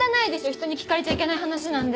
人に聞かれちゃいけない話なんで。